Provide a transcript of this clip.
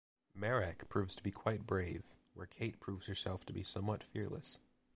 Marek proves to be quite brave, where Kate proves herself to be somewhat fearless.